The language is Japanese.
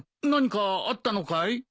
何かあったのかい？